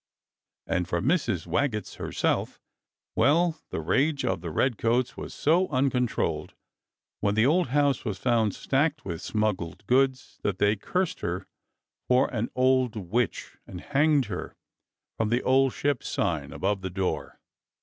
And for Mrs. Waggetts herseK — well, the rage of the redcoats was so uncontrolled when the old house was found stacked with smuggled goods that they cursed her for an old witch and hanged her from the old Ship sign above the door.